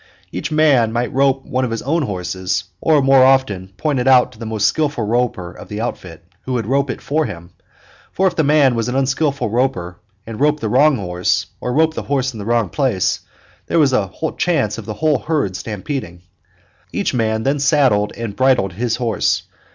Each man might rope one of his own horses, or more often point it out to the most skillful roper of the outfit, who would rope it for him for if the man was an unskillful roper and roped the wrong horse or roped the horse in the wrong place there was a chance of the whole herd stampeding. Each man then saddled and bridled his horse.